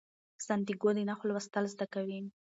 سانتیاګو د نښو لوستل زده کوي.